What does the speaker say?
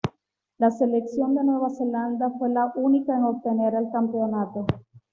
La selección de Nueva Zelanda fue la única en obtener el campeonato.